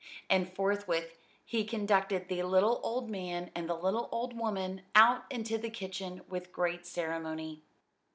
And forthwith he conducted the little old man and the little old woman out into the kitchen with great ceremony.